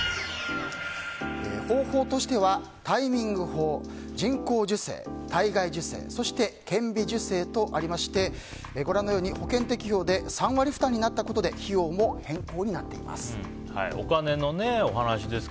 方法としてはタイミング法、人工授精体外受精、顕微授精とありまして保険適用で３割負担になったことで費用も変更になっています。